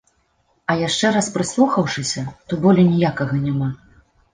А яшчэ раз прыслухаўшыся, то болю ніякага няма.